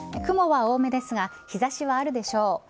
雲は多めですが日差しはあるでしょう。